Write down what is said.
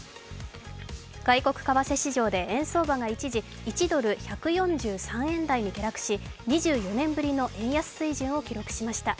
外国為替市場で円相場が一時、１ドル＝１４３円台を記録し２４年ぶりの円安水準を記録しました。